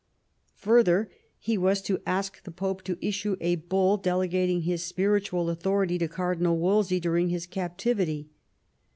Further, he was to ask the Pope to issue a bull delegating his spiritual authority to Cardinal Wolsey during his captivity.